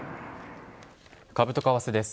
株と為替です。